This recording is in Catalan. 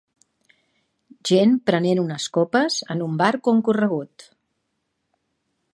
Gent prenent unes copes en un bar concorregut.